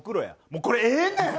もうこれええねん！